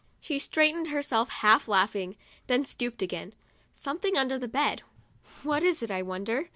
She straightened herself, half laughing, then stooped again. "Something under the bed — what is it, I wonder?"